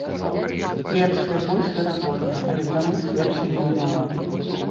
Першае больш верагодна, але прамых сведчанняў няма.